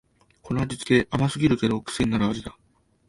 この味つけ、甘すぎるけどくせになる味だ